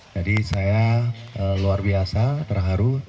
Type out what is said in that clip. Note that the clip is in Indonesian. jadi saya luar biasa terharu